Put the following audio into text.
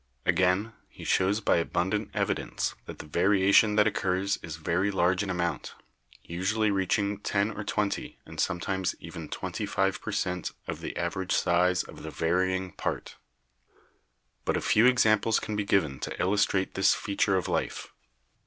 Again, he shows by abundant evidence that the variation that occurs is very large in amount — usually reaching 10 or 20 and sometimes even 25 per cent, of the average size of the varying part. But a few examples can be given to illustrate this fea ture of life.